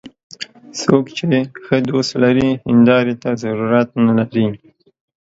څوک چې ښه دوست لري، هنداري ته ضرورت نه لري